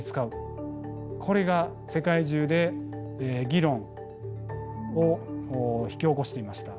これが世界中で議論を引き起こしていました。